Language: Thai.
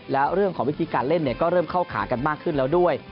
แล้วเรื่องของวิธีการเล่นก็เริ่มเข้าขากันมากขึ้นแล้วด้วย